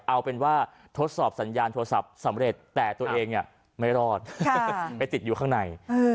เอาเป็นว่าทดสอบสัญญาณโทรศัพท์สำเร็จแต่ตัวเองไม่รอดไปติดอยู่ข้างใน